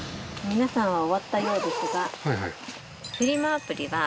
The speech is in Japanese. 皆さんは終わったようですが。